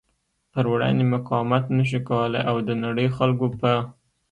پر وړاندې مقاومت نشو کولی او د نړۍ خلکو په